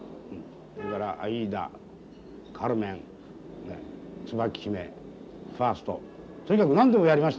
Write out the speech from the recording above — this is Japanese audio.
それから「アイーダ」「カルメン」「椿姫」「ファウスト」とにかく何でもやりましたよ。